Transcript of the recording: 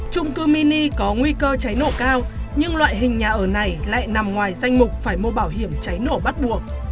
trung cư mini có nguy cơ cháy nổ cao nhưng loại hình nhà ở này lại nằm ngoài danh mục phải mua bảo hiểm cháy nổ bắt buộc